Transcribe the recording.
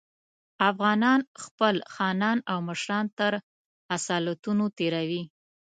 افغانان خپل خانان او مشران تر اصالتونو تېروي.